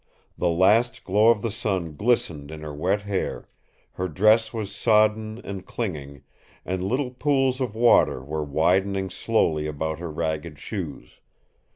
The last glow of the sun glistened in her wet hair, her dress was sodden and clinging, and little pools of water were widening slowly about her ragged shoes.